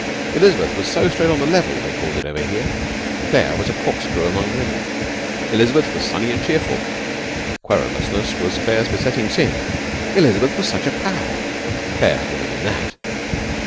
Elizabeth was so straight on the level they called it over here. Claire was a corkscrew among women. Elizabeth was sunny and cheerful. Querulousness was Claire's besetting sin. Elizabeth was such a pal. Claire had never been that.